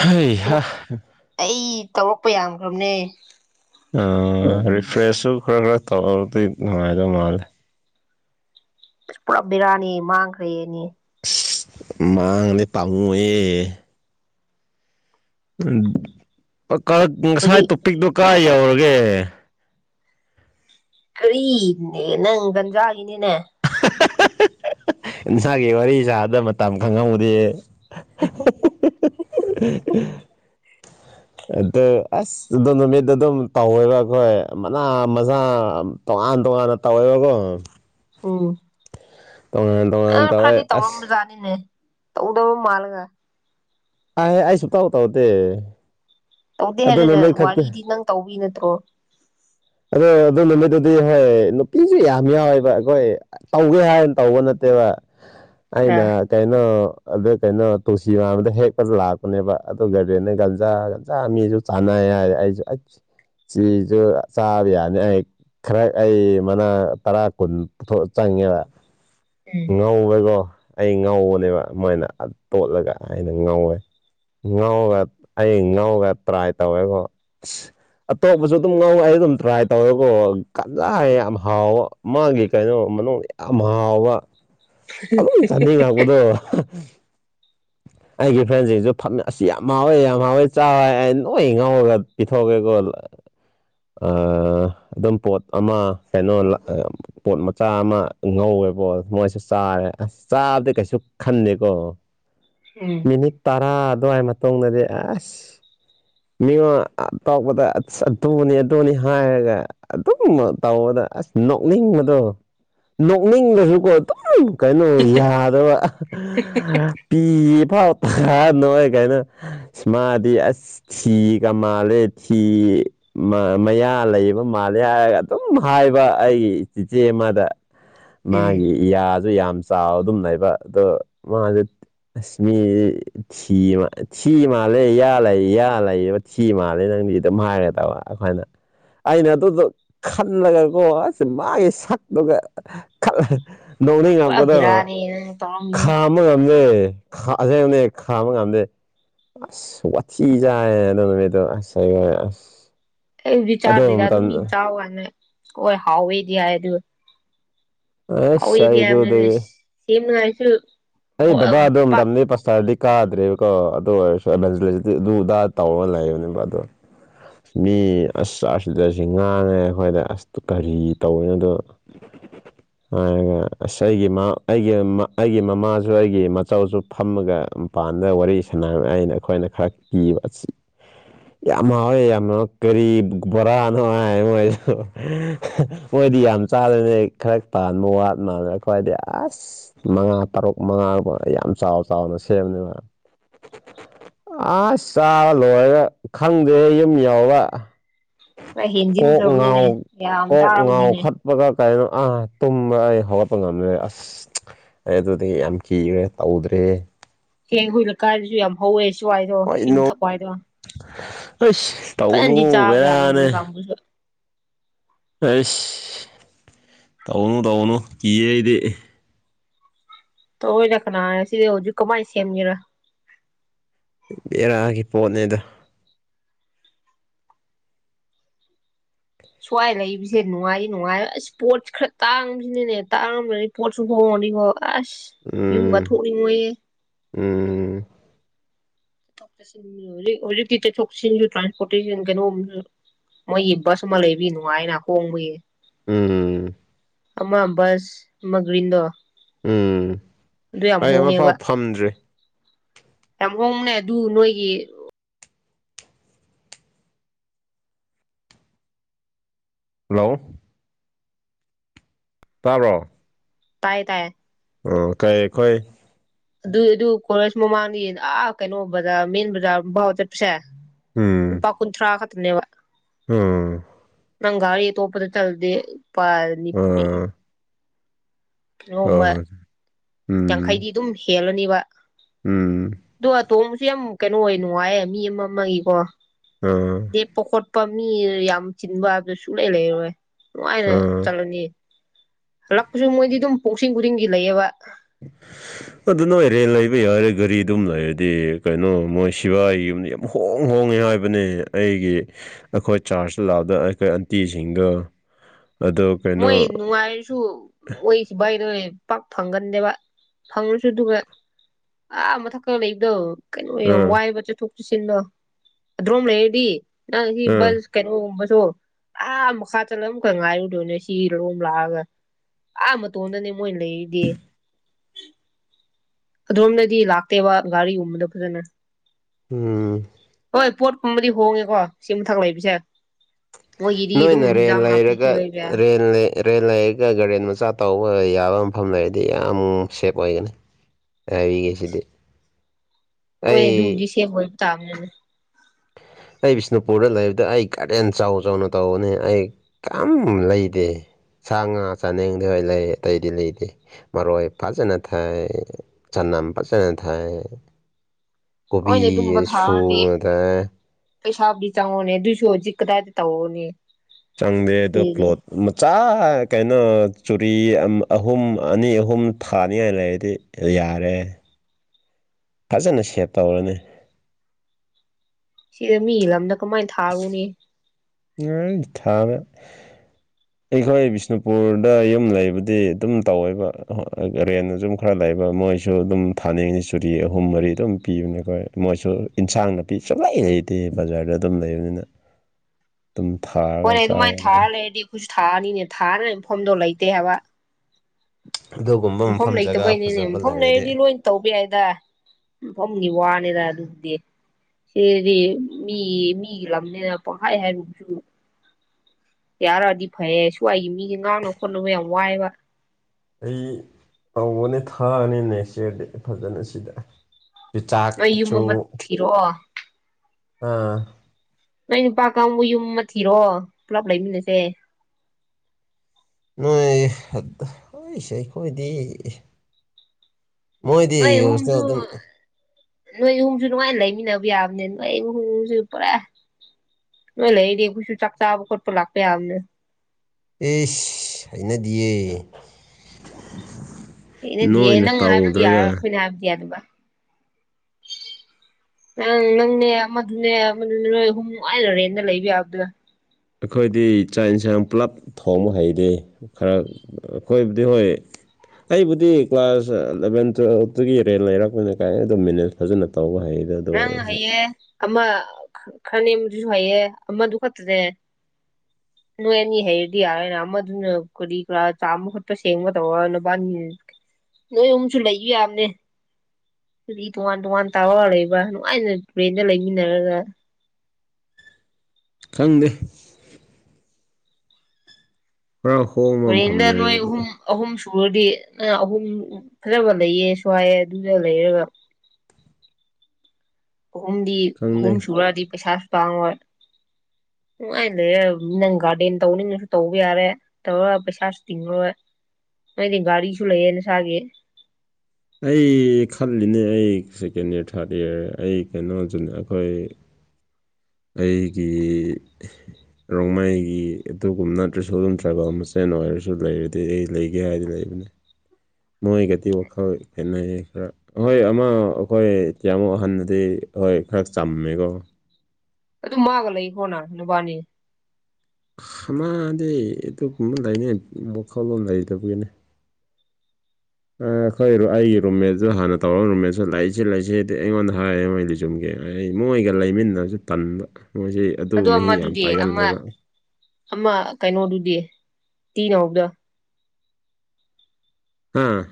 ꯍꯩ ꯍ ꯑꯩ ꯇꯧꯔꯛꯄ ꯌꯥꯝꯈ꯭ꯔꯝꯅꯦ ꯑ ꯔꯤꯐ꯭ꯔꯦꯁꯁꯨ ꯈꯔ ꯈꯔ ꯇꯧꯔꯗꯤ ꯅꯨꯡꯉꯥꯏꯗꯧ ꯃꯥꯜꯂꯦ ꯄꯨꯔꯞ ꯕꯦꯔꯥꯅꯤ ꯃꯥꯡꯈ꯭ꯔꯦ ꯑꯅꯤ ꯑꯁ ꯃꯥꯡꯉꯅꯦ ꯄꯥꯃꯣꯌꯦ ꯎ ꯉꯁꯥꯏ ꯍꯧꯖꯤꯛ ꯇꯣꯄꯤꯛꯇꯣ ꯀꯥꯏ ꯌꯧꯔꯒꯦ ꯀꯔꯤꯅꯦ ꯅꯪ ꯒꯟꯖꯥꯒꯤꯅꯦꯅꯦ ꯏꯟꯁꯥꯒꯤ ꯋꯥꯔꯤ ꯁꯥꯕꯗ ꯃꯇꯝ ꯈꯪꯍꯧꯗꯦ ꯍ ꯍ ꯍ ꯍ [unintelligible] [inaudible] ꯑꯗ ꯑꯁ ꯑꯗꯨ ꯅꯨꯃꯤꯠꯇ ꯑꯗꯨꯝ ꯇꯧꯋꯦꯕ ꯑꯩꯈꯣꯏ ꯃꯅꯥ ꯃꯁꯥ ꯇꯣꯉꯥꯟ ꯇꯣꯉꯥꯟꯅ ꯇꯧꯋꯦꯕꯀꯣ ꯎꯝ ꯇꯣꯡꯉꯥꯟ ꯇꯉꯥꯟ ꯇꯧꯋꯦ ꯑꯁ ꯅꯦ ꯇꯧꯗꯕꯥ ꯃꯥꯜꯂꯒ ꯑꯍꯦ ꯑꯩꯥ ꯁꯨꯛꯇꯧ ꯇꯧꯗꯦ ꯇꯧꯗꯦ ꯑꯗꯨ ꯍꯥꯏꯔꯒ ꯅꯨꯃꯤꯠ ꯈꯛꯇ ꯋꯥꯔꯤꯗꯤ ꯅꯪ ꯇꯧꯕꯤ ꯅꯠꯇ꯭ꯔꯣ ꯑꯗꯣ ꯑꯗꯨ ꯅꯨꯃꯤꯠꯇꯨꯗꯤ ꯍꯣꯏ ꯅꯨꯄꯤꯁꯨ ꯌꯥꯝ ꯌꯥꯎꯋꯦꯕ ꯑꯩꯈꯣꯏ ꯇꯧꯒꯦ ꯍꯥꯏꯅ ꯇꯧꯕ ꯅꯠꯇꯦꯕ ꯑꯩꯅ ꯎꯝ ꯀꯩꯅꯣ ꯑꯗꯨꯗ ꯀꯩꯅꯣ ꯇꯨꯁꯤ ꯃꯥꯟꯕꯗ ꯍꯦꯛꯄꯗ ꯂꯥꯛꯄꯅꯦꯕ ꯑꯗꯨ ꯒꯥꯔꯗꯟꯅ ꯒꯟꯖꯥ ꯒꯟꯖꯥ ꯃꯤꯁꯨ ꯆꯥꯟꯅꯩ ꯌꯥ ꯑꯩꯁꯨ ꯑꯩ ꯁꯤꯁꯨ ꯆꯥꯕ ꯌꯥꯅꯤ ꯑꯩ ꯈꯔ ꯑꯩ ꯃꯅꯥ ꯇꯔꯥ ꯀꯨꯟ ꯄꯨꯊꯣꯛꯑ ꯆꯪꯉꯦꯕ ꯉꯧꯔꯦꯀꯣ ꯑꯩ ꯉꯧꯕꯅꯦꯕ ꯃꯣꯏꯅ ꯇꯣꯠꯂꯒ ꯑꯩꯅ ꯉꯧꯋꯦ ꯉꯧꯒ ꯑꯩ ꯉꯧꯒ ꯇ꯭ꯔꯥꯏ ꯇꯧꯋꯦꯀꯣ ꯏꯁ [inaudible] ꯑꯇꯣꯞꯄꯁꯨ ꯑꯗꯨꯝ ꯉꯧꯋꯦ ꯑꯩ ꯑꯗꯨꯝ ꯇ꯭ꯔꯥꯏ ꯇꯧꯋꯦꯀꯣ ꯀꯖꯥꯏ ꯌꯥꯝ ꯍꯥꯎꯕ ꯃꯥꯒꯤ ꯀꯩꯅꯣ ꯃꯅꯨꯡꯗ ꯌꯥꯝ ꯑꯝ ꯍꯥꯎꯕ ꯑꯗꯨꯝ ꯆꯥꯅꯤꯡꯉꯛꯄꯗꯣ ꯑ ꯑꯩꯒꯤ ꯐ꯭ꯔꯦꯟꯁꯤꯡꯁꯨ ꯐꯝꯃꯦ ꯑꯁꯤꯁ ꯌꯥꯝ ꯍꯥꯎꯋꯦ ꯌꯥꯝ ꯍꯥꯎꯋꯦ ꯆꯥꯋꯏ ꯑꯩ ꯂꯣꯏ ꯉꯧꯔꯒ ꯄꯤꯊꯣꯛꯑꯀꯦꯀꯣ [inaudible] ꯑ ꯑꯗꯨꯝ ꯄꯣꯠ ꯑꯃ ꯀꯩꯅꯣ ꯂꯛꯑ ꯄꯣꯠ ꯃꯆꯥ ꯑꯃ ꯉꯧꯋꯦꯕꯣ ꯃꯣꯏꯁ ꯆꯥꯔꯦ ꯑꯁ ꯆꯥꯕꯗꯤ ꯀꯩꯁꯨ ꯈꯟꯗꯦꯀꯣ ꯎꯝ ꯃꯤꯅꯤꯠ ꯇꯔꯥ ꯑꯗꯨꯋꯥꯏ ꯃꯇꯨꯡꯗꯗꯤ ꯑꯁ ꯃꯤꯉꯣꯟꯇꯥꯎꯄꯗ ꯑꯁ ꯑꯗꯨꯅꯤ ꯑꯗꯨꯅꯤ ꯍꯥꯏꯔꯒ ꯑꯗꯨꯝ ꯇꯧꯕꯧꯕꯗ ꯑꯁ ꯅꯣꯛꯅꯤꯡꯕꯗꯣ ꯅꯣꯛꯅꯤꯡꯗꯁꯨꯀꯣ ꯑꯗꯨꯝ ꯀꯩꯅꯣ ꯌꯥꯗꯕ ꯄꯤ ꯐꯥꯎ ꯊ ꯅꯣꯏ ꯀꯥꯏꯅꯣ ꯃꯥꯗꯤ ꯑꯁ ꯊꯤ ꯀ ꯃꯥꯂꯦ ꯊꯤ ꯃꯌꯥ ꯂꯩꯕ ꯃꯥꯜꯂꯦ ꯍꯥꯏꯔꯒ ꯑꯗꯨꯝ ꯍꯥꯏꯕ ꯑꯩꯒꯤ ꯆꯤꯆꯦ ꯑꯃꯗ [unintelligible] ꯃꯥꯒꯤ ꯌꯥꯁꯨ ꯌꯥꯝ ꯆꯥꯎ ꯑꯗꯨꯝ ꯂꯩꯕ ꯑꯗꯣ ꯃꯥꯁꯦ ꯑꯁꯃꯤ ꯁꯤꯤ ꯊꯤ ꯃꯥꯜꯂꯦ ꯌꯥ ꯂꯩ ꯌꯥ ꯂꯩꯌꯦꯕ ꯊꯤ ꯃꯥꯜꯂꯦ ꯅꯪꯗꯤ ꯑꯗꯨꯝ ꯍꯥꯏꯈ꯭ꯔꯦ ꯇꯕ ꯑꯩꯈꯣꯏꯅ ꯑꯩꯅ ꯑꯗꯨꯗꯣ ꯈꯜꯂꯒꯀꯣ ꯁꯤ ꯃꯥꯒꯤ ꯁꯛꯇꯨꯒ ꯗꯧꯅꯤ ꯄꯨꯔꯥ ꯉꯥꯛꯄꯗ ꯈ ꯕꯦꯔꯥꯅꯦ ꯅꯪ ꯇꯧꯔꯝꯃꯤꯁꯦ ꯈꯕ ꯉꯝꯗꯦ ꯈꯁꯦꯡꯅꯦ ꯈꯥꯕ ꯉꯝꯗꯦ ꯑꯁ ꯋꯥꯊꯤꯖꯥꯏ ꯑꯗꯨꯗꯣ ꯑꯁ ꯑꯁ ꯑꯩ ꯍꯧꯛ ꯑꯗꯨ ꯆꯥꯗꯔꯤꯗ ꯑꯗꯨꯝ ꯃꯇꯝ ꯃꯤ ꯆꯥꯎꯅ ꯍꯣꯏ ꯍꯥꯎꯋꯦꯗꯤ ꯍꯥꯏ ꯑꯗꯨ ꯍꯥꯎ ꯑꯁ ꯏꯗꯤ ꯌꯥꯝꯅ ꯑꯩꯗꯨꯗꯒꯤ ꯁꯤꯅꯨꯡꯉꯥꯏꯁꯨ ꯑꯩ ꯕꯕꯥ ꯑꯗꯨꯣ ꯃꯇꯝꯗꯩ ꯄꯁꯇꯥꯔꯗꯤ ꯀꯥꯗ꯭ꯔꯦꯕꯀꯣ ꯑꯗꯣ ꯑꯗꯨ ꯇꯧꯔ ꯂꯩꯕꯅꯦꯕ ꯑꯗꯣ ꯃꯤ ꯑꯁ ꯑꯥꯁꯤꯗꯁꯤ ꯉꯥꯡꯉꯦ ꯑꯩꯈꯣꯏꯗ ꯑꯁ ꯀꯔꯤ ꯇꯧꯔꯤꯅꯣꯗꯣ [unintelligible] ꯑꯁ ꯑꯩꯒꯤ ꯑꯩꯒꯤ ꯑꯩꯒꯤ ꯃꯃꯥ ꯁꯨ ꯑꯩꯒꯤ ꯃꯆꯧꯁꯨ ꯐꯝꯃꯒ ꯃꯄꯥꯟꯗ ꯋꯥꯔꯤ ꯁꯥꯟꯅꯔ ꯑꯩꯅ ꯑꯩꯈꯣꯏꯅ ꯈꯔ ꯀꯤꯕ ꯌꯥꯝ ꯍꯥꯎꯋꯦ ꯌꯥꯝꯅ ꯀꯔꯤ ꯕꯣꯔꯥꯅꯣ ꯍꯥꯏ ꯃꯣꯏꯁꯨ ꯃꯣꯏꯗꯤ ꯌꯥꯝ ꯆꯥꯗꯅꯦ ꯈꯔ ꯇꯥꯟꯕ ꯋꯥꯠ ꯃꯥꯟ꯭ꯔꯦ ꯈ꯭ꯋꯥꯏꯗꯤ ꯑꯁ ꯃꯉꯥ ꯇꯔꯨꯛ ꯃꯉꯥꯔꯨꯕ ꯑꯩ ꯌꯥꯝ ꯆꯥꯎ ꯆꯥꯎꯅ ꯁꯦꯝꯕꯅꯦꯕ ꯑꯁ ꯆꯥꯕ ꯂꯣꯏꯔ ꯈꯪꯗꯦ ꯌꯨꯝ ꯌꯎꯕ ꯈꯔ ꯀꯣꯛ ꯉꯥꯎ ꯍꯦꯟꯖꯤꯟꯈ꯭ꯔꯕꯅꯤꯅꯦ ꯌꯥꯝ ꯀꯣꯛ ꯉꯥꯎ ꯆꯥꯔꯝꯅꯤꯅꯦ ꯈꯠ ꯀꯨꯞꯄꯒ ꯀꯔꯤꯅꯣ ꯑꯥ ꯇꯨꯝꯕ ꯑꯩ ꯍꯧꯒꯠꯄ ꯉꯝꯅꯔꯦ ꯑꯁ ꯑꯩ ꯑꯗꯨꯗꯤ ꯌꯥꯝ ꯀꯤꯈ꯭ꯔꯦ ꯇꯧꯗ꯭ꯔꯦ ꯍꯌꯦꯡ ꯍꯨꯏꯂꯛꯀꯥꯏꯔꯁꯨ ꯌꯥꯝ ꯍꯧꯋꯦ ꯁꯤꯋꯥꯏꯗꯣ ꯁꯤꯃ ꯊꯛꯄ ꯍꯥꯏꯏꯗꯣ ꯑꯦꯁ ꯆꯥꯕꯖꯥꯠꯅꯤ ꯇꯥꯎꯅꯒꯕꯦꯔꯅꯦ ꯃꯣꯏ ꯀꯥꯡꯕꯨꯁꯨ ꯑꯩꯁ ꯇꯧꯅꯨ ꯇꯧꯅꯨ ꯀꯤꯌꯦ ꯑꯩꯗꯤ ꯇꯑꯣꯏꯔ ꯀꯅꯥ ꯁꯤꯗꯤ ꯍꯧꯖꯤꯛ ꯀꯃꯥꯏꯅ ꯁꯦꯝꯃꯤꯔꯥ ꯕꯦꯔꯥꯒꯤ ꯄꯣꯠꯅꯦꯗ ꯁ꯭ꯋꯥꯏ ꯂꯩꯕꯁꯦ ꯅꯨꯡꯉꯥꯏꯔꯤ ꯅꯨꯡꯉꯥꯏꯔ ꯑꯁ ꯏꯁꯄꯣꯔꯠꯁ ꯈꯔ ꯇꯥꯡꯕꯁꯤꯅꯅꯦ ꯇꯥꯡꯉꯕꯅꯤ ꯄꯣꯆ ꯍ ꯃꯅꯤ ꯍꯣ ꯑꯁ ꯎꯝ ꯊꯔꯤꯉꯣꯏ ꯎꯝ ꯊꯣꯛꯁꯤꯡꯁꯨ ꯇ꯭ꯔꯥꯟꯁꯄꯇꯦ ꯀꯩꯅꯣ ꯃꯣꯏ ꯏꯕꯁꯃ ꯂꯩꯕꯤ ꯅꯨꯡꯉꯥꯏꯅ ꯍꯣꯡꯕꯌꯦ ꯎꯝ ꯎꯝ ꯑꯃ ꯕꯁ ꯑꯃ ꯒ꯭ꯔꯤꯟꯗꯣ ꯎꯝ ꯑꯗꯨ ꯌꯥꯝ ꯑꯩ ꯑꯃꯐꯥꯎ ꯐꯝꯗ꯭ꯔꯤ ꯇꯃꯣꯝꯅꯦ ꯑꯗꯨ ꯅꯣꯏꯒꯤ ꯍꯜꯂꯣ ꯇꯔꯣ ꯇꯥꯏ ꯇꯥꯏ ꯑꯣ ꯀꯩ ꯑꯩꯈꯣꯏ ꯑꯗꯨꯏ ꯑꯗꯨ ꯀꯣꯂꯦꯖ ꯃꯃꯥꯡꯗ ꯌꯦ ꯑꯥ ꯀꯩꯅꯣ ꯕꯖꯥꯔ ꯃꯦꯟ ꯕꯖꯥꯔ ꯐꯥꯎ ꯆꯠꯄꯁꯦ ꯎꯝ ꯂꯨꯄꯥ ꯀꯨꯟꯊ꯭ꯔꯥꯒ ꯈꯛꯇꯅꯦꯕ ꯎꯝ ꯔꯪꯒꯥꯔꯤ ꯇꯣꯄꯗ ꯆꯜꯗ ꯄꯥꯅꯤ ꯑꯥ ꯀꯍꯣꯃ ꯍꯣꯏ ꯎꯝ ꯌꯥꯡꯈꯩꯗꯤ ꯑꯗꯨꯝ ꯍꯦꯜꯂꯅꯤꯕ ꯎꯝ ꯑꯗꯣ ꯑꯇꯣꯟꯕꯁꯦ ꯌꯥꯝ ꯀꯩꯅꯣ ꯑꯣꯏ ꯅꯨꯡꯉꯥꯏꯌꯦ ꯃꯤ ꯑꯃ ꯑꯃꯒꯤꯀꯣ ꯎꯝ ꯂꯦꯞꯄ ꯈꯣꯠꯄ ꯃꯤ ꯌꯥꯝ ꯆꯤꯟꯕ ꯑꯗꯨ ꯁꯨꯛꯂꯩ ꯂꯩꯔꯔꯣꯏ ꯅꯨꯡꯉꯥꯏꯅ ꯑꯥ ꯆꯠꯂꯅꯤ ꯍꯜꯂꯛꯄꯁꯨ ꯃꯣꯏꯗꯤ ꯑꯗꯨꯝ ꯄꯣꯛꯁꯤꯡ ꯈꯨꯗꯤꯡꯒꯤ ꯂꯩꯌꯦꯕ ꯑꯗꯨ ꯅ ꯑꯦꯔꯦꯟ ꯂꯩꯕ ꯌꯥꯔꯦ ꯒꯥꯔꯤꯗꯨꯝ ꯂꯩꯔꯗꯤ ꯀꯩꯅꯣ ꯃꯣꯏ ꯁꯤꯕꯥꯏ ꯌꯨꯝ ꯍꯣꯡ ꯍꯣꯡꯉꯦ ꯍꯥꯏꯕꯅꯤ ꯑꯩꯒꯤ ꯑꯩꯈꯣꯏ ꯆꯥꯔꯁꯨ ꯂꯥꯛꯗ ꯑꯩꯈꯣꯏ ꯑꯟꯇꯤꯁꯤꯡꯗꯣ ꯑꯗꯣ ꯀꯩꯅꯣ ꯃꯣꯏ ꯅꯨꯡꯉꯥꯢꯁꯨ ꯑꯣꯏꯁꯤ ꯕꯥꯏꯗ ꯄꯥꯛ ꯐꯪꯒꯟꯗꯦꯕ ꯐꯪꯉꯁꯨ ꯑꯗꯨꯒ ꯑꯥ ꯃꯊꯛꯇ ꯂꯩꯕꯗꯣ ꯀꯩꯅꯣ ꯌꯥꯝ ꯑꯥ ꯋꯥꯏꯕ ꯆꯠꯊꯣꯛ-ꯆꯠꯁꯤꯟꯗꯦ ꯑꯗꯨ꯭ꯔꯣꯝ ꯂꯩꯔꯗꯤ ꯅꯪ ꯁꯤ ꯑꯥ ꯕꯁ ꯀꯩꯅꯣꯒꯨꯝꯕꯗꯣ ꯑꯥ ꯃꯈꯥ ꯆꯠ ꯂꯝꯗ ꯉꯥꯏꯔꯤꯗꯨꯅꯤ ꯁꯤꯔꯣꯝ ꯂꯥꯛꯑꯒ ꯑꯥ ꯃꯇꯣꯟꯗꯅꯦ ꯃꯣꯏ ꯂꯩꯔꯤꯗꯤ ꯑꯗꯣꯝꯗꯗꯤ ꯂꯥꯛꯇꯦꯕ ꯒꯥꯥꯔꯤꯒꯨꯝꯕꯗꯦ ꯐꯖꯅ ꯎꯝ ꯍꯣꯏ ꯄꯣꯠꯀꯨꯝꯕꯗꯤ ꯍꯣꯡꯉꯦꯀꯣ ꯁꯤ ꯃꯊꯛ ꯂꯩꯕꯁꯦ ꯃꯣꯏꯒꯤꯗꯤ ꯑꯗꯨꯝ ꯅꯣꯏꯅ ꯔꯦꯜ ꯍꯤꯟꯖꯥꯡ ꯅꯥꯄꯤꯁꯨ ꯂꯩꯔꯒ ꯂꯩꯕ ꯌꯥꯏ ꯔꯦꯜ ꯂꯩ ꯔꯔꯦꯟ ꯂꯩꯔꯒ ꯒꯥꯔꯤꯦꯟ ꯃꯆꯥ ꯇꯧꯕ ꯌꯥꯕ ꯃꯐꯝ ꯂꯩꯔꯗꯤ ꯌꯥꯝ ꯁꯦꯞ ꯑꯣꯏꯒꯅꯤ ꯍꯥꯏꯕꯤꯒꯦꯁꯤꯗꯤ ꯑꯣꯢ ꯑꯗꯨꯒꯤ ꯁꯦꯞ ꯑꯣꯏ ꯇꯥꯕꯅꯤꯅꯦ ꯑꯩ ꯕꯤꯁꯅꯨꯄꯨꯔꯗ ꯂꯩꯕꯗ ꯑꯩ ꯀꯠ ꯍꯦꯟ ꯆꯥꯎ ꯆꯥꯎꯅ ꯇꯧꯕꯅꯤ ꯑꯩ ꯀꯝ ꯂꯩꯗꯦ ꯁꯥ-ꯉꯥ ꯆꯥꯅꯤꯡꯂꯥꯗꯤ ꯍꯣꯏ ꯂꯩ ꯑꯇꯩꯗꯤ ꯂꯩꯇꯦ ꯃꯔꯣꯏ ꯐꯖꯅ ꯊꯥꯏ ꯆꯅꯝ ꯐꯖꯅ ꯊꯥꯏ ꯀꯣꯕꯤ ꯍꯣꯏꯅꯦ ꯁꯨꯔꯗꯅ ꯄꯩꯁꯥꯕꯤꯗꯤ ꯆ ꯑꯣꯅꯦ ꯗꯨꯏꯁꯨꯣꯖꯤ ꯀꯗꯥꯗꯤ ꯇ ꯑꯣꯅꯦ ꯆꯪꯗꯦ ꯑꯗꯣ ꯄ꯭ꯂꯣꯠ ꯃꯆꯥ ꯀꯩꯅꯣ ꯆꯨꯔꯤ ꯑꯍꯨꯝ ꯑꯅꯤ ꯑꯍꯨꯝ ꯊꯥꯅꯤꯉꯥꯏ ꯂꯩꯔꯗꯤ ꯌꯥꯔꯦ [inaudible] ꯐꯖꯅ ꯁꯦꯞ ꯇꯧꯔꯅꯤ ꯁꯤꯗ ꯃꯤꯒꯤ ꯂꯝꯗ ꯀꯃꯥꯏꯅ ꯊꯥꯔꯨꯅꯦ ꯌꯥ ꯏ ꯊꯕ ꯎ ꯑꯩꯈꯣꯏ ꯕꯤꯁꯅꯨꯄꯨꯔꯗ ꯌꯨꯝ ꯂꯩꯕꯨꯗꯤ ꯑꯗꯨꯝ ꯇꯧꯋꯦꯕ ꯀꯔꯤ ꯍꯥꯏꯅꯦ ꯈꯔ ꯂꯩꯕ ꯃꯣꯏꯁꯨ ꯑꯗꯨꯝ ꯊꯥꯅꯤꯡꯉꯤꯅꯤ ꯆꯨꯔꯤ ꯑꯍꯨꯝ ꯃꯔꯤ ꯑꯗꯨꯝ ꯄꯤꯕꯅꯦ ꯑꯩꯈꯣꯏ ꯃꯣꯏꯁꯨ ꯏꯟꯁꯥꯡ ꯅꯥꯄꯤ ꯁꯨꯡꯂꯩ ꯂꯩꯇꯦ ꯕꯖꯥꯔꯗ ꯑꯗꯨꯝ ꯂꯩꯕꯅꯤꯅ ꯑꯗꯨꯝ ꯊꯥꯔꯒ ꯍꯣꯏꯅꯦ ꯑꯗꯨꯃꯥꯏꯅ ꯆꯥꯕꯅꯤ ꯊꯥꯔ ꯂꯩꯔꯗꯤ ꯑꯩꯈꯣꯏꯁꯨ ꯊꯥꯔꯅꯤꯅꯦ ꯊꯥꯅ ꯃꯐꯝꯗꯣ ꯂꯩꯇꯦ ꯍꯥꯏꯕ ꯑꯗꯨꯒꯨꯝ ꯃꯐꯝ ꯂꯩꯇꯕꯩꯅꯤꯅꯦ ꯃꯐꯝ ꯂꯩꯔꯗꯤ ꯂꯣꯏ ꯇꯧꯕ ꯌꯥꯏꯗ ꯃꯐꯝꯒꯤ ꯋꯥꯅꯤꯗ ꯑꯗꯨꯕꯨꯗꯤ ꯑꯦꯗꯤ ꯃꯤ ꯃꯤꯒꯤ ꯂꯝꯅꯦꯅ ꯄꯪꯈꯥꯏ ꯍꯥꯏꯔꯨꯕꯁꯨ ꯌꯥꯔꯛꯑꯗꯤ ꯐꯩꯌꯦ ꯁ꯭ꯋꯥꯏꯒꯤ ꯃꯤꯁꯦ ꯉꯥꯡꯅ ꯈꯣꯠꯅꯕ ꯌꯥꯝ ꯋꯥꯏꯑꯕ ꯑꯩ ꯇꯧꯕꯅꯤ ꯊꯥꯔꯅꯤ ꯅꯦꯛꯆꯔꯗꯤ ꯐꯖꯅ ꯁꯤꯗ ꯄꯤ ꯅꯣꯏ ꯌꯨꯝ ꯑꯃ ꯆꯥꯛꯥꯛꯁꯨꯨ ꯊꯤꯔꯛꯑꯣ ꯑꯥ ꯅꯣꯏ ꯅꯨꯄꯥ ꯀꯥꯡꯕꯨ ꯌꯨꯝ ꯑꯃ ꯊꯤꯔꯣ ꯄꯨꯂꯞ ꯂꯩꯃꯤꯟꯅꯁꯦ ꯅꯣꯏꯁꯦ ꯑꯩꯈꯣꯏꯗꯤ ꯃꯣꯏ ꯏꯗꯤ ꯅꯣꯏ ꯑꯍꯨꯝꯁꯨ ꯑꯗꯨꯝ ꯅꯣꯏ ꯑꯍꯨꯝꯁꯨ ꯅꯨꯉꯥꯏꯅ ꯂꯩꯃꯤꯟꯅꯕ ꯌꯥꯕꯅꯦ ꯅꯣꯏ ꯑꯍꯨꯝꯁꯨ ꯄꯨꯔꯥ ꯅꯣꯏ ꯂꯩꯔꯗ ꯑꯩꯈꯣꯌ ꯁꯨ ꯆꯥꯛ ꯆꯥꯕꯥ ꯂꯥꯀꯄꯥ ꯌꯥꯕꯅꯦ ꯑꯤꯁ ꯍꯥꯏꯅꯗꯤꯌꯦ ꯏꯩꯅꯗꯤꯌꯦ ꯅꯪ ꯍꯥꯏꯕꯗꯤꯌꯥ ꯑꯩꯈꯣꯏꯅ ꯍꯥꯏꯕꯗꯤ ꯑꯗꯨꯒ ꯅꯪ ꯅꯪꯅꯦ ꯑꯃꯗꯨꯅꯦ ꯅꯣꯏ ꯑꯍꯨꯝꯛ ꯑꯥꯏꯅꯔꯦꯟꯗ ꯂꯩꯕ ꯌꯥꯕꯗꯨ ꯑꯩꯈꯣꯏꯗꯤ ꯆꯥꯛ ꯏꯟꯁꯥꯡ ꯄꯨꯂꯞ ꯊꯣꯡꯕ ꯍꯩꯇꯦ ꯈꯔ ꯑꯩꯈꯣꯏꯕꯨꯗꯤ ꯍꯣꯏ ꯑꯩꯕꯨꯗꯤ ꯀ꯭ꯂꯥꯁ ꯑꯦꯂꯚꯦꯟ ꯇꯨꯌꯦꯦꯜꯞꯇꯨꯒꯤ ꯔꯦꯟ ꯂꯩꯔꯛꯄꯅꯤꯅ ꯀꯥꯏꯅ ꯑꯗꯨꯝ ꯃꯦꯅꯦꯖ ꯐꯖꯅ ꯇꯧꯕ ꯍꯥꯏꯩ ꯅꯪ ꯍꯥꯏꯩꯑ ꯑꯃ ꯈꯔꯅꯦꯗꯨꯁꯨ ꯍꯥꯏꯑ ꯑꯃꯗꯨ ꯈꯛꯇꯦ [unintelligible] ꯅꯣꯏ ꯑꯅꯤ ꯍꯩꯔꯗꯤ ꯌꯥꯔꯣꯏꯅ ꯑꯃꯗꯨꯅ ꯀ ꯆꯥꯝꯃ ꯈꯣꯠꯄ ꯁꯦꯡꯕ ꯇꯧꯔ ꯅꯨꯕꯥ ꯅꯣꯏ ꯑꯃꯨꯛꯁꯨ [unintelligible] [unintelligible] ꯇꯣꯉꯥꯟ ꯇꯣꯉꯥꯟ [unintelligible] ꯅꯨꯡꯉꯥꯏ ꯄꯦꯟꯗ ꯂꯩꯃꯤꯟꯅꯔꯒ ꯈꯪꯗꯦ ꯑ ꯍꯣ ꯔꯦꯟꯗ ꯅꯣꯏ ꯑꯍꯨꯝ ꯑꯍꯨꯝ ꯁꯨꯔꯗꯤ ꯑꯍꯨꯝ ꯐꯖꯕ ꯂꯩꯌꯦ ꯁ꯭ꯋꯥꯏꯑ ꯑꯗꯨꯗ ꯂꯩꯔꯒ ꯑꯍꯨꯝꯗꯤ ꯈꯪꯗꯦ ꯑꯍꯨꯝ ꯁꯨꯔꯗꯤ ꯄꯩꯁꯥꯁꯨ ꯄꯥꯡꯉꯣꯏ ꯎ ꯑꯩ ꯂꯩꯌꯦ ꯅꯪ ꯒꯥꯔꯗꯦꯟ ꯇꯧꯅꯤꯡꯕꯁꯨ ꯇꯧꯕ ꯌꯥꯔꯦ ꯇꯧꯔꯣ ꯄꯩꯁꯥꯁꯨ ꯇꯤꯡꯉꯣꯏ ꯅꯣꯏꯗꯤ ꯒꯥꯔꯤꯁꯨ ꯂꯩꯌꯦ ꯅꯁꯥꯒꯤ ꯑꯩ ꯈꯜꯂꯤꯅꯦ ꯑꯩ ꯁꯦꯀꯦꯟ ꯏꯌꯥꯔ ꯊꯥꯔꯠ ꯏꯌꯥꯔ ꯑꯩ ꯀꯩꯅꯣꯗꯨ ꯑꯩꯈꯣꯏ [unintelligible] ꯑꯩꯒꯤ ꯔꯣꯡꯃꯩꯒꯤ ꯑꯗꯨꯒꯨꯝꯅ ꯇ꯭ꯔꯤꯁꯣꯂꯨꯝꯊ꯭ꯔꯕ ꯃꯆꯦꯟ ꯑꯣꯏꯔꯁꯨ ꯂꯩꯔꯤ ꯑꯦ ꯑꯩ ꯂꯩꯒꯦ ꯍꯥꯏꯗꯤ ꯂꯩꯕꯅꯤ ꯃꯣꯏꯒꯗꯨ ꯋꯥꯈꯜ ꯈꯦꯠꯅꯩꯌꯦ ꯈꯔ ꯑꯣꯏ ꯑꯃ ꯑꯩꯈꯣꯏ ꯀꯌꯥꯃꯨꯣꯛ ꯑꯍꯟꯅꯗꯗꯤ ꯍꯣꯏ ꯈꯔ ꯆꯝꯃꯦꯀꯣ ꯑꯗꯨꯝ ꯃꯥꯒ ꯂꯩꯈꯣꯅ ꯅꯕꯥꯅꯤ ꯃꯗꯤ ꯑꯗꯨꯒꯨꯝꯕꯥ [unintelligible] ꯋꯥꯈꯜꯂꯣꯟ ꯂꯩꯇꯕꯅꯤꯗ ꯑꯩꯈꯣꯏ ꯑꯩꯒꯤ ꯔꯨꯝꯃꯦꯠꯁꯨ ꯍꯥꯟꯅ ꯇꯧꯔꯒ ꯔꯨꯝꯃꯦꯠꯁꯨ ꯂꯩꯁꯤ ꯂꯩꯁꯤꯗꯤ ꯑꯩꯉꯣꯟꯗ ꯍꯥꯏꯔꯦ ꯃꯣꯏꯗꯤ ꯆꯨꯝꯒꯦ ꯑꯩ ꯃꯣꯏꯒ ꯂꯩꯃꯤꯟꯅꯕꯁꯨ ꯇꯟꯕ ꯃꯣꯏꯁꯤ ꯑꯗꯨ ꯑꯗꯨꯒꯨꯝꯕ ꯃꯤꯒ ꯌꯥꯝ ꯑꯃꯗꯨꯗꯤ ꯑꯃ ꯄꯥꯏꯒꯜꯂꯦꯕ ꯑꯃ ꯀꯩꯅꯣꯗꯨꯗꯤ ꯇꯤꯅ ꯍꯧꯕꯗꯣ ꯎꯝ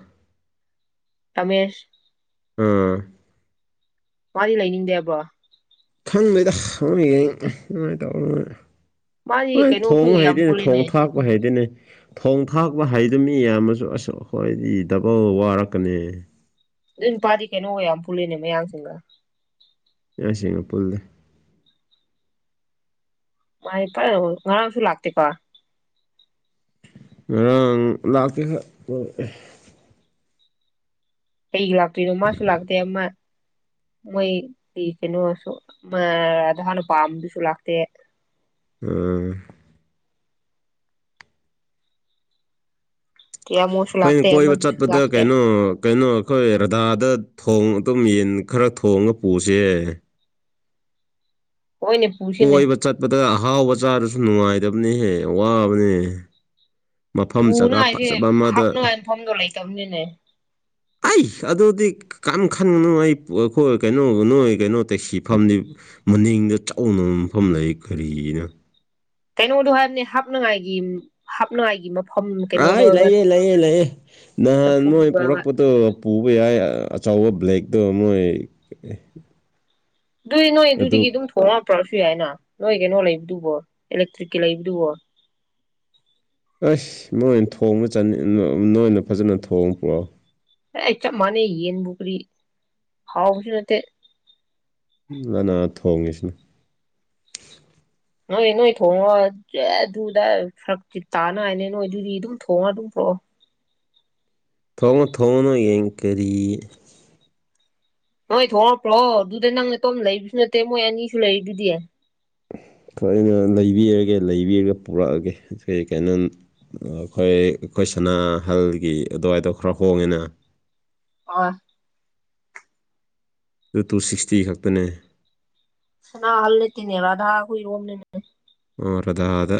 ꯔꯃꯦꯁ ꯎꯝ ꯃꯥꯗꯤ ꯂꯩꯅꯤꯡꯗꯦꯕ꯭ꯔꯣ ꯈꯪꯕꯩꯗ ꯅꯣꯏ [unintelligible] ꯃꯥꯗꯤ ꯍꯣꯏ ꯀꯩꯅꯣ ꯊꯣꯡ ꯑꯩꯈꯣꯏꯒ ꯌꯥꯝ ꯍꯩꯗꯤꯅꯦ ꯄꯨꯜꯂꯦꯅꯦ ꯊꯣꯡ-ꯊꯥꯛꯄ ꯍꯩꯗꯤꯅꯦ ꯊꯣꯡ ꯊꯥꯛꯄ ꯍꯩꯗꯨꯕ ꯃꯤ ꯌꯥꯝꯅꯁꯨ ꯑꯁꯛ ꯑꯩꯈꯣꯏꯗꯤ ꯗꯕꯜ ꯋꯥꯔꯛꯀꯅꯤ ꯑꯗꯨ ꯅꯨꯄꯥꯗꯤ ꯀꯩꯅꯣꯒ ꯌꯥꯝ ꯄꯨꯜꯂꯤꯅꯦ ꯃꯌꯥꯡꯁꯤꯡꯒ ꯑꯦꯌꯥꯏꯁꯤꯒꯥ ꯄꯨꯜꯂꯦ ꯃꯥꯏ ꯉꯥꯔꯥꯡꯁꯨ ꯂꯥꯛꯇꯦ ꯀꯣ ꯔꯥꯡ ꯂꯥꯛꯇꯦ ꯀꯩꯒꯤ ꯂꯥꯛꯇꯣꯏꯅꯣ ꯃꯥꯁꯨ ꯂꯥꯛꯇꯦ ꯑꯃ ꯃꯣꯏ ꯀꯩꯅꯣꯁꯨ ꯃ ꯔꯙꯥꯅ ꯄꯥꯝꯕꯗꯨꯁꯨ ꯂꯥꯛꯇꯦ ꯎꯝ ꯇꯤꯌꯥꯃꯣꯁꯨ ꯂꯥꯛꯇꯦ ꯑꯩꯈꯣꯏꯅ ꯀꯣꯏꯕ ꯑꯃꯗꯨꯁꯨ ꯆꯠꯄꯗ ꯂꯥꯛꯇꯦ ꯀꯩꯅꯣ ꯀꯩꯅꯣ ꯑꯩꯈꯣꯏ ꯔꯙꯥꯗ ꯊꯣꯡ ꯑꯗꯨꯝ ꯌꯦꯟ ꯈꯔ ꯊꯣꯡꯉ ꯄꯨꯁꯦ ꯍꯣꯏꯅꯤ ꯀꯣꯏꯕ ꯆꯠꯄꯗ ꯑꯍꯥꯎꯕ ꯆꯥꯕꯁꯨ ꯅꯨꯡꯉꯥꯏꯗꯕꯅꯤꯍꯦ ꯋꯥꯕꯅꯤ ꯄꯨꯅꯉꯥꯏꯁꯦ ꯑꯃꯗ ꯍꯥꯞꯅꯉꯥꯏ ꯃꯐꯝꯗꯣ ꯂꯩꯇꯕꯅꯤꯅꯦ ꯑꯩ ꯑꯗꯨꯗꯤ ꯀꯔꯝ ꯈꯟꯒꯅꯨ ꯑꯩ ꯑꯩꯈꯣꯏ ꯀꯩꯅꯣ ꯅꯣꯏ ꯀꯩꯅꯣ ꯇꯦꯛ ꯁꯤꯐꯝꯗꯤ ꯃꯅꯤꯡꯗ ꯆꯥꯎꯅꯕ ꯃꯐꯝ ꯂꯩ ꯀꯔꯤꯅ ꯀꯩꯅꯣꯗꯣ ꯍꯥꯏꯕꯅꯤ ꯍꯥꯞꯅꯉꯥꯏꯒꯤ ꯍꯥꯞꯅꯉꯥꯏꯒꯤ ꯃꯐꯝ ꯀꯩꯅꯣꯗꯣ ꯑꯩ ꯍꯥꯏꯕ ꯂꯩꯌꯦ ꯂꯩꯌꯦ ꯂꯩꯑꯦ ꯅꯍꯥꯟ ꯆꯐꯨꯗꯣ ꯅꯣꯏ ꯍꯥꯏꯕ ꯄꯨꯔꯛꯄꯗꯣ ꯄꯨꯕ ꯌꯥꯏ ꯑꯆꯧꯕ ꯕ꯭ꯂꯦꯛꯇꯣ ꯃꯣꯏ ꯑꯗꯨꯏ ꯅꯣꯏ ꯑꯗꯨ ꯑꯗꯨꯗꯒꯤ ꯑꯗꯨꯝ ꯊꯣꯛꯂꯛꯇ꯭ꯔꯁꯨ ꯌꯥꯏꯅ ꯅꯣꯏ ꯀꯩꯅꯣ ꯂꯩꯕꯗꯨꯕꯣ ꯏꯂꯦꯛꯇ꯭ꯔꯤꯛꯀꯤ ꯂꯩꯕꯗꯨꯕꯣ ꯑꯁ ꯅꯣꯏꯅ ꯊꯣꯡꯕ ꯆ ꯅꯣꯏꯅ ꯐꯖꯅ ꯊꯣꯡꯕ ꯄꯨꯔꯛꯑꯣ ꯑꯩ ꯆꯞ ꯃꯅꯦ ꯌꯦꯟ ꯀꯔꯤ ꯍꯥꯎꯁꯨ ꯅꯠꯇ‌ꯦ ꯑꯅꯥ ꯊꯣꯡꯉꯁꯤꯅ ꯅꯣꯏ ꯅꯣꯏ ꯊꯣꯡꯉꯣ ꯊꯣꯡꯉꫭ ꯊꯣꯡꯉꯅꯣ ꯅꫭꯏ ꯌꯦꯡ ꯀꯔꯤ ꯅꯣꯏ ꯊꯣꯛꯂꯛꯈ꯭ꯔꯣ ꯑꯗꯨꯗ ꯅꯪꯅꯇꯣꯝꯅ ꯂꯩꯕꯁꯨ ꯅꯠꯇꯦ ꯃꯣꯏ ꯑꯅꯤꯁꯨ ꯂꯩꯔꯤꯗꯨꯗꯤ [inaudible] ꯂꯩꯕꯤꯔꯒꯦ ꯂꯩꯕꯤꯔꯒꯦ ꯄꯨꯔꯛꯑꯒꯦ ꯀꯔꯤ ꯀꯅꯣ ꯑꯩꯈꯣꯏ ꯑꯩꯈꯣꯏ ꯁꯅꯥꯍꯜꯒꯤ ꯑꯗꯨꯋꯥꯏꯗ ꯈꯔ ꯍꯣꯡꯉꯦꯅ ꯑꯣꯢ ꯇꯨ ꯇꯨ ꯁꯤꯛꯁꯇꯤ ꯈꯛꯇꯅꯦ ꯁꯅꯥ ꯍꯜꯂꯇꯅꯦ ꯔꯥꯙꯥ ꯍꯣꯏꯏꯔꯣꯝ ꯅꯅꯦ ꯃꯙꯥꯗ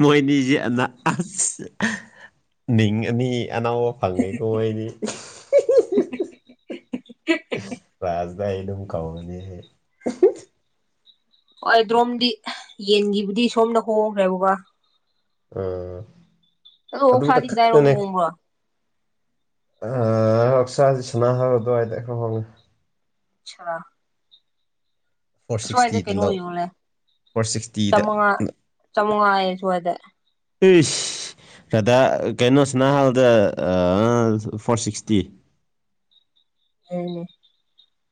ꯃꯣꯏꯅꯤꯖꯦ ꯑꯅꯥ ꯑꯁ ꯃꯤꯡꯡ ꯑꯅꯤ ꯑꯅꯧꯕ ꯐꯪꯉꯦꯀꯣ ꯃꯣꯢ ꯑꯅꯤ ꯔꯥꯁꯗ ꯑꯩꯅ ꯀꯧꯔꯅꯤꯍ‌ꯦ ꯑꯗ꯭ꯔꯣꯝꯗꯤ ꯌꯦꯟꯒꯤꯕꯨꯗꯤ ꯁꯣꯝꯗ ꯍꯣꯡꯈ꯭ꯔꯦꯕꯕ ꯑ ꯑꯗꯣ ꯑꯗꯨꯗ ꯑꯣꯛꯁꯥꯗꯤ ꯀꯗꯥꯏꯔꯣꯝ ꯈꯛꯇꯅꯦ ꯍꯣꯡꯕ꯭ꯔꯣ ꯍꯛꯁꯥꯁꯦ ꯁꯅꯥꯍꯜꯂꯣ ꯑꯗꯨꯋꯥꯏꯗ ꯈꯔ ꯍꯣꯡꯏ [unintelligible] ꯐꯣꯔ ꯑꯁꯨꯋꯥꯏꯗ ꯁꯤꯛꯁꯇꯤꯗ ꯀꯩꯅꯣ ꯂꯧ ꯌꯣꯜꯂꯦ ꯐꯣꯔ ꯁꯤꯛꯁꯇꯤꯗ ꯆꯃꯉꯥ ꯆꯃꯉꯥ ꯍꯥꯏꯌꯦ ꯑꯁꯨꯋꯥꯏꯗ ꯍꯁ ꯔꯙꯥ ꯀꯩꯅꯣ ꯁꯥꯅꯍꯥꯟꯗ ꯐꯣꯔ ꯁꯤꯛꯁꯇꯤ [unintelligible]